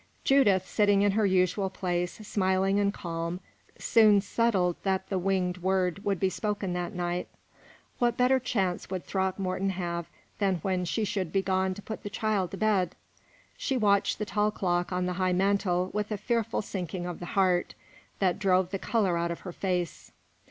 Judith, sitting in her usual place, smiling and calm, soon settled that the winged word would be spoken that night. What better chance would Throckmorton have than when she should be gone to put the child to bed? She watched the tall clock on the high mantel with a fearful sinking of the heart, that drove the color out of her face.